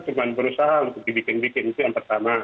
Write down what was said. cuma berusaha untuk dibikin bikin itu yang pertama